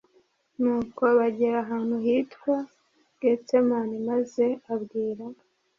nuko bagera ahantu hitwa getsemani maze abwira